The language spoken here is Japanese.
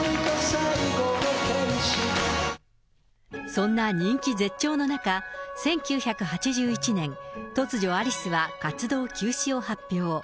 そんな人気絶頂の中、１９８１年、突如、アリスは活動休止を発表。